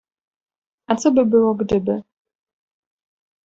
A co by było gdyby?